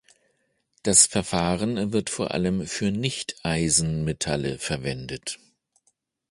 Das Verfahren wird vor allem für Nichteisenmetalle verwendet.